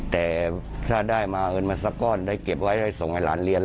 แต่ถ้าได้มาเอิญมาสักก้อนได้เก็บไว้ได้ส่งให้หลานเรียน